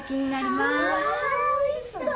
わぁおいしそう！